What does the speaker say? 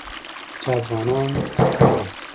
چې افغانان څه کولی شي.